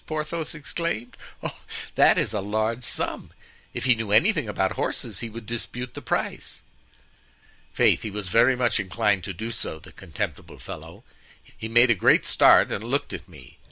Porthos exclaimed. "Oh! oh! that is a large sum. If he knew anything about horses he would dispute the price." "Faith! he was very much inclined to do so, the contemptible fellow. He made a great start and looked at me.